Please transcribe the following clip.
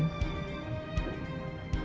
kamu selalu berharga